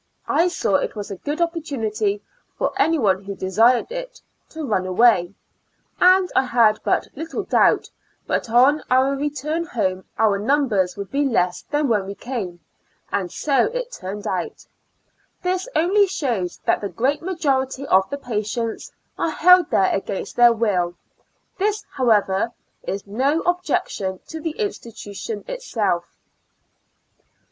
I saw it was a good oppor tunity for any who desired it to run away, and I had but little doubt but on our re turn home our numbers would be less than when we came, and so it turned out; this 142 ^^'^ Years and Four Months only shows that the great majority of the patients are held there against their will — this, however, is no objection to the institution itself.